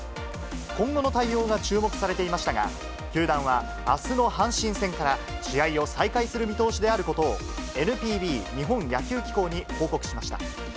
今後の対応が注目されていましたが、球団は、あすの阪神戦から試合を再開する見通しであることを、ＮＰＢ・日本野球機構に報告しました。